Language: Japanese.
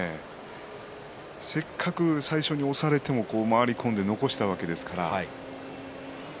せっかく最初押されても残したわけですから。